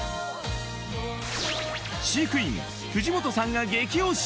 飼育員藤本さんが激推し！